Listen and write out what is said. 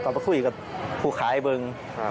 ก็ไปคุยกับผู้ขายเบิ่ง